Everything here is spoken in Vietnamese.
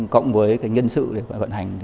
cộng với nhân sự để vận hành